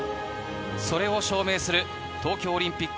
それを証明する東京オリンピック